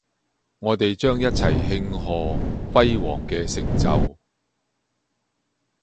我哋將一齊慶賀輝煌嘅成就